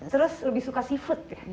terus lebih suka seafood ya